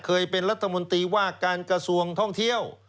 เคยเป็นรัฐมนตรีว่าการกระทรวงท่องเที่ยว